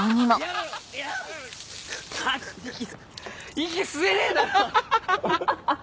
息吸えねえだろ！